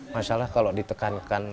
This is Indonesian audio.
masalah kalau ditekankan